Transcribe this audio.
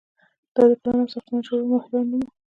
دا د پلان او ساختمان جوړولو ماهرانو نوم و.